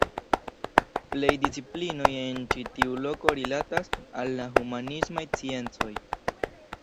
Plej disciplinoj en ĉi tiu loko rilatas al la humanismaj sciencoj.